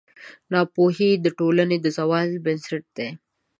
ناپوهي د ټولنې د زوال بنسټ دی.